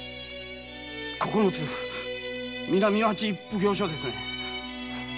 九つ南町奉行所ですね。